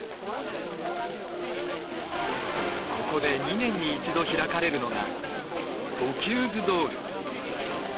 ここで２年に１度開かれるのがボキューズ・ドール。